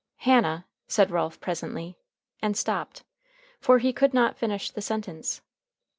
"Hannah " said Ralph presently, and stopped. For he could not finish the sentence.